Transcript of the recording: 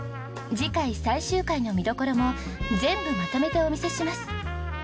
次回最終回の見どころも全部まとめてお見せします。